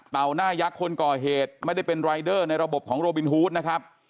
หน้ายักษ์คนก่อเหตุไม่ได้เป็นรายเดอร์ในระบบของโรบินฮูดนะครับ